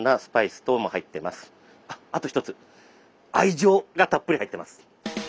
あと一つ愛情がたっぷり入ってます。